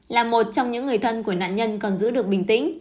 là một trong những người thân của nạn nhân còn giữ được bình tĩnh